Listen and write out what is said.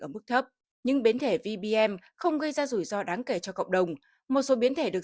ở mức thấp nhưng biến thể vbm không gây ra rủi ro đáng kể cho cộng đồng một số biến thể được